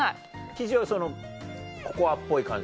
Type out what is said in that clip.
生地はそのココアっぽい感じなの？